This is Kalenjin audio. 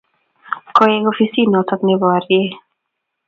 Koek ofisinoto neborie